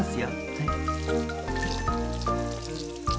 はい。